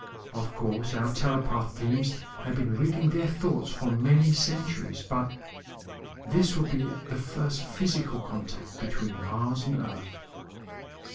Of course our telepath teams have been reading their thoughts for many centuries, but this will be the first physical contact between Mars and Earth."